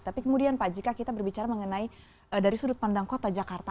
tapi kemudian pak jika kita berbicara mengenai dari sudut pandang kota jakarta